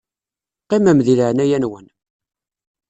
Qqimem di leɛnaya-nwen.